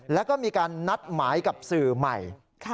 แล้วก็มีการนัดหมายกับสื่อใหม่